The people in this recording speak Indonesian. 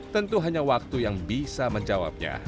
tentu hanya waktu yang bisa menjawabnya